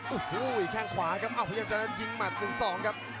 โอ้โหแค่งขวาครับอ้าวเพราะยังจะยิงหมัด๑๒ครับ